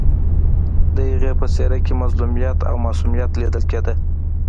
د هغې په څېره کې مظلومیت او معصومیت لیدل کېده